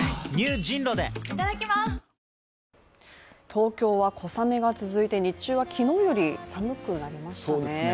東京は小雨が続いて、日中は昨日より寒くなりましたね。